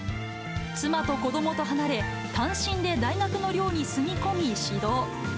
妻と子どもと離れ、単身で大学の寮に住み込み指導。